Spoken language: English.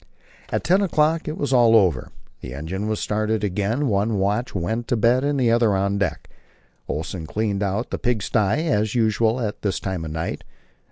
At ten o'clock it was all over, the engine was started again, one watch went to bed and the other on deck; Olsen cleaned out the pigsty, as usual at this time of night.